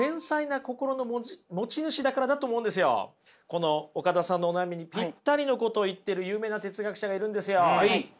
この岡田さんのお悩みにピッタリのことを言ってる有名な哲学者がいるんですよ。